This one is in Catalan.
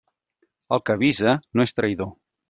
El que avisa no és traïdor.